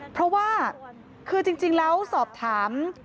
เพราะว่าคือจริงแล้วสอบถาม